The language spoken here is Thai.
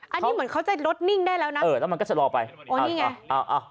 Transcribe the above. อันนี้เหมือนเขาจะลดนิ่งได้แล้วนะเออแล้วมันก็ชะลอไปอ๋อนี่ไงอ้าวอ้าว